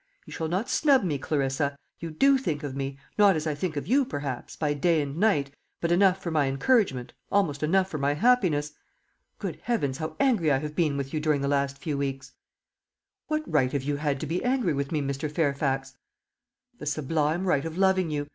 You shall not snub me, Clarissa. You do think of me not as I think of you, perhaps, by day and night, but enough for my encouragement, almost enough for my happiness. Good heavens, how angry I have been with you during the last few weeks!" "What right had you to be angry with me, Mr. Fairfax?" "The sublime right of loving you.